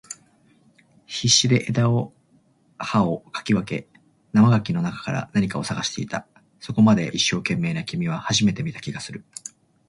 必死で枝を葉を掻き分け、生垣の中から何かを探していた。そこまで一生懸命な君は初めて見た気がする。